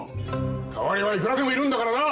代わりはいくらでもいるんだからな！